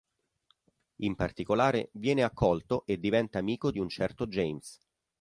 In particolare, viene accolto e diventa amico di un certo James.